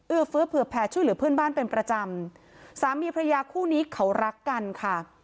ฟื้อเผื่อแผ่ช่วยเหลือเพื่อนบ้านเป็นประจำสามีพระยาคู่นี้เขารักกันค่ะ